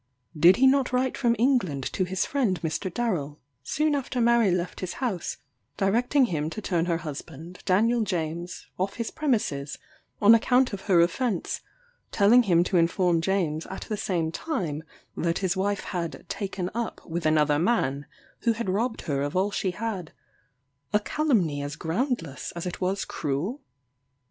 Did he not write from England to his friend Mr. Darrel, soon after Mary left his house, directing him to turn her husband, Daniel James, off his premises, on account of her offence; telling him to inform James at the same time that his wife had taken up with another man, who had robbed her of all she had a calumny as groundless as it was cruel?